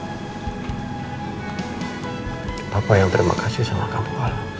bapak yang terima kasih sama kamu